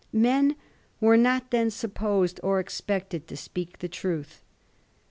Men were not then supposed or expected to speak the truth.